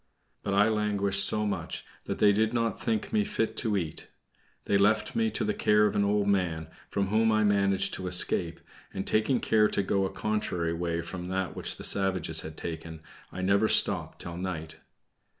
But I languished so much that they did not think me fit to eat. They left me to the care of an old man, from whom I managed to escape; and taking care to go a contrary way from that which the savages had taken I never stopped till night.